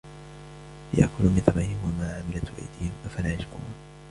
لِيَأْكُلُوا مِنْ ثَمَرِهِ وَمَا عَمِلَتْهُ أَيْدِيهِمْ أَفَلَا يَشْكُرُونَ